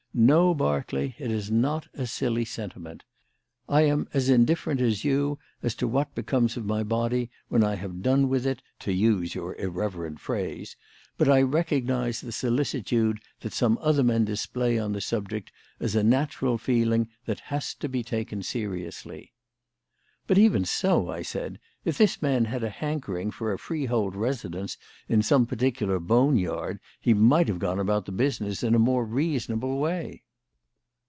No, Berkeley, it is not a silly sentiment. I am as indifferent as you as to what becomes of my body 'when I have done with it,' to use your irreverent phrase; but I recognise the solicitude that some other men display on the subject as a natural feeling that has to be taken seriously." "But even so," I said, "if this man had a hankering for a freehold residence in some particular bone yard, he might have gone about the business in a more reasonable way."